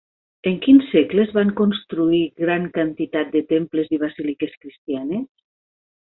En quin segle es van construir gran quantitat de temples i basíliques cristianes?